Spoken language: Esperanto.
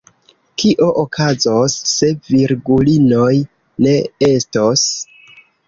Kio okazos, se virgulinoj ne estos?